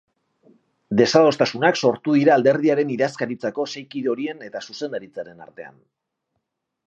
Desadostasunak sortu dira alderdiaren idazkaritzako sei kide horien eta zuzendaritzaren artean.